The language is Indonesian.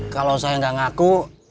kalau saya gak ngaku